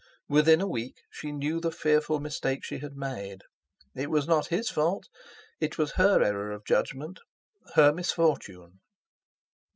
Within a week she knew the fearful mistake she had made. It was not his fault; it was her error of judgment—her misfortune."